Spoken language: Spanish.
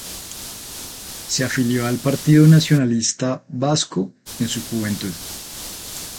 Se afilió al Partido Nacionalista Vasco en su juventud.